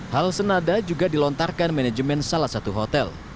hal senada juga dilontarkan manajemen salah satu hotel